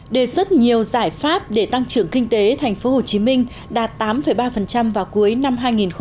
đề xuất nhiều giải pháp để tăng trưởng kinh tế tp hcm đạt tám ba vào cuối năm hai nghìn hai mươi